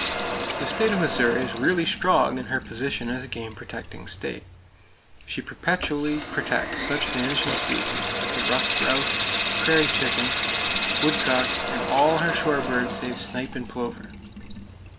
The state of Missouri is really strong in her position as a game protecting state. She perpetually protects such vanishing species as the ruffed grouse, prairie chicken (pinnated grouse), woodcock, and all her shore birds save snipe and plover.